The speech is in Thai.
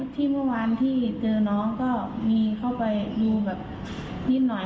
ที่เมื่อวานที่เจอน้องก็มีเข้าไปดูแบบนิดหน่อย